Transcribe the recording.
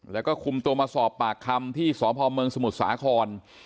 แล้วก็คุมตัวมาสอบปากคำที่สพเมืองสมุทรสาคร